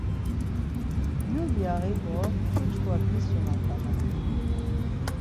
Gyulyaği do ç̌uç̌kva disuna ǩala